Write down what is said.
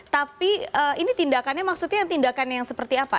tapi ini tindakannya maksudnya tindakan yang seperti apa